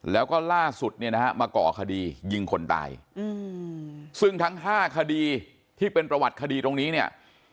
แล้วก็ล่าสุดเนี่ยนะฮะมาก่อคดียิงคนตายซึ่งทั้ง๕คดีที่เป็นประวัติคดีตรงนี้เนี่ย